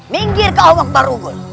minggir ke omong baru